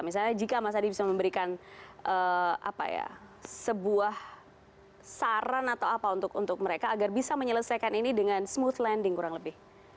misalnya jika mas adi bisa memberikan sebuah saran atau apa untuk mereka agar bisa menyelesaikan ini dengan smooth landing kurang lebih